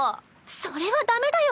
それはダメだよ